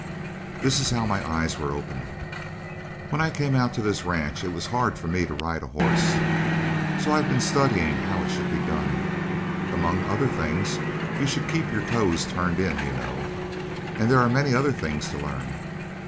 _ "This is how my eyes were opened. "When I came out to this ranch it was hard for me to ride a horse. So I've been studying how it should be done. Among other things, you should keep your toes turned in, you know. And there are many other things to learn.